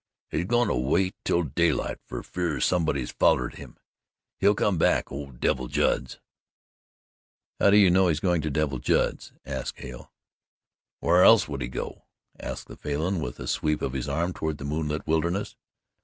"He's goin' to wait till daylight, fer fear somebody's follered him. He'll come in back o' Devil Judd's." "How do you know he's going to Devil Judd's?" asked Hale. "Whar else would he go?" asked the Falin with a sweep of his arm toward the moonlit wilderness.